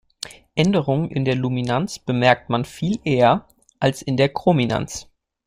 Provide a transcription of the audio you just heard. Änderungen in der Luminanz bemerkt man viel eher als in der Chrominanz.